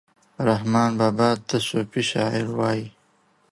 رحمان بابا ته صوفي شاعر وايي